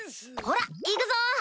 ほら行くぞ！